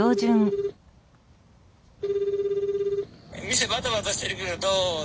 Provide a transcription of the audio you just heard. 店バタバタしてるけどどうぞ。